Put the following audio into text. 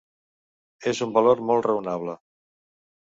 Es un valor molt raonable.